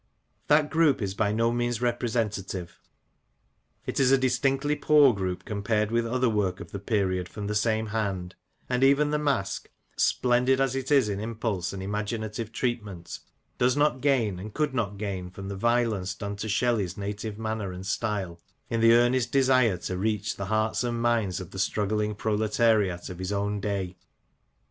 That group is by no means representa tive ; it is a distinctly poor group compared with other work of the period from the same hand ; and even The Mask, splendid as it is in impulse and imaginative treat ment, does not gain, and could not gain, from the violence done to Shelley's native manner and style in the earnest desire to reach the hearts and minds of the struggling proletariat of his own day.